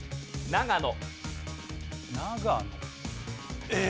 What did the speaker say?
長野。